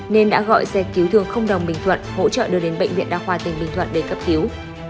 nên đã gọi xe cứu thương đồng bình thuận hỗ trợ đưa đến bệnh viện đa khoa tỉnh bình thuận để cấp cứu